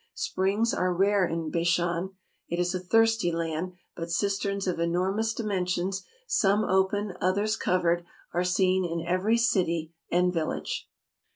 Springs are rare in Bashan. It is a thirsty land; but cisterns of enormous dimensions — some open, others covered — are seen in every city and village.